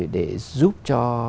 để giúp cho